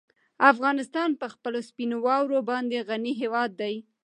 افغانستان په خپلو سپینو واورو باندې غني هېواد دی.